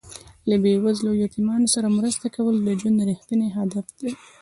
د بې وزلو او یتیمانو سره مرسته کول د ژوند رښتیني هدف دی.